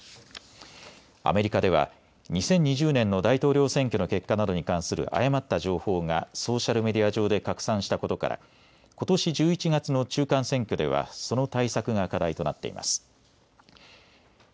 アメリカでは２０２０年の大統領選挙の結果などに関する誤った情報がソーシャルメディア上で拡散したことから、ことし１１月の中間選挙ではその対策が課題となっています。